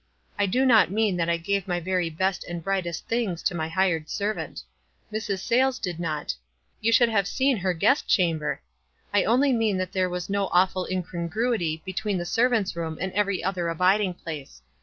I do not mean that I gave my very best and brightest things to my hired servant. Mrs. Sayles did not. You should have seen her guest chamber ! I only mean that there was no awful incongruity be tween the servant's room and every other abid ing place.